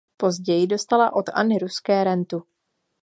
Později dostala od Anny Ruské rentu.